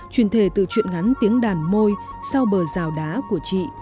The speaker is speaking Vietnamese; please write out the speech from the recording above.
truyền thề từ chuyện ngắn tiếng đàn môi sau bờ rào đá của chị